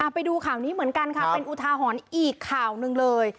ไปดูข่าวนี้เหมือนกันค่ะเป็นอุทาหรณ์อีกข่าวหนึ่งเลย